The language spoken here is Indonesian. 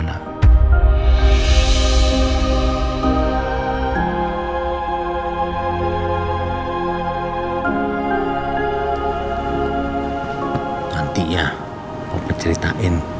nanti ya aku ceritain